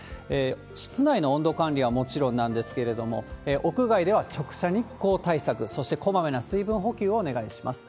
室内の温度管理はもちろんなんですけれども、屋外では直射日光対策、そして、こまめな水分補給をお願いします。